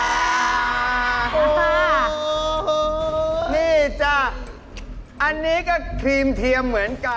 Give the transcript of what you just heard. นี่จ้ะอันนี้ก็ครีมเทียมเหมือนกัน